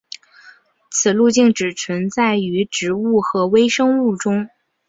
此路径只存在于植物和微生物中。